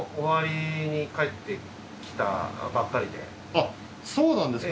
あっそうなんですか。